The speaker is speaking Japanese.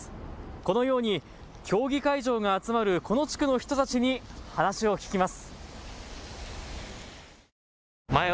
このように競技会場が集まるこの地区の人たちに話を聞きます。